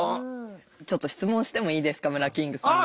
ちょっと質問してもいいですかムラキングさんに。